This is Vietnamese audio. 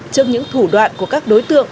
trước những thủ đoạn của các đối tượng